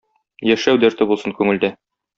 Яшәү дәрте булсын күңелдә.